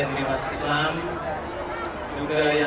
pemerintah dan pemerintah dan pemerintah islam